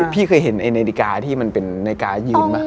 พี่เคยเห็นไนก่ารน์ที่มันเป็นในการ์อยู่อ่ะ